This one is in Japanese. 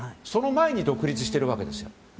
その前に独立しているわけです。